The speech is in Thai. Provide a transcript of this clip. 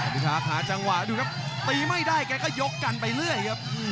พิธาหาจังหวะดูครับตีไม่ได้แกก็ยกกันไปเรื่อยครับ